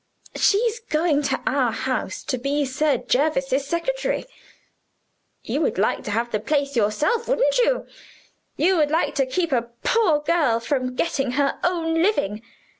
she's going to our house to be Sir Jervis's secretary. You would like to have the place yourself, wouldn't you? You would like to keep a poor girl from getting her own living?